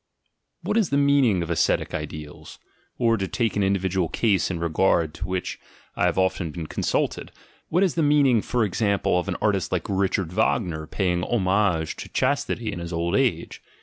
What is the meaning of ascetic ideals? Or, to take an individual case in regard to which I have often been con sulted, what is the meaning, for example, of an artist like Richard Wagner paying homage to chastity in his old age?